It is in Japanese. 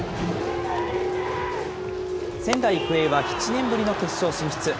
仙台育英は７年ぶりの決勝進出。